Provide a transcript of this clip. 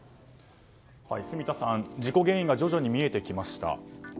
住田さん、事故原因が徐々に見えてきました。